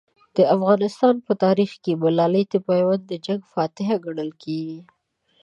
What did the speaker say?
د افغانستان په تاریخ کې ملالۍ د میوند د جنګ فاتحه ګڼل کېږي.